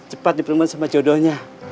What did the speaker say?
cepat diperlukan sama jodohnya